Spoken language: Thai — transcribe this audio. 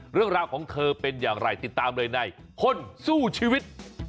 เรื่องราวของเธอเป็นอย่างไรติดตามเลยในคนสู้ชีวิต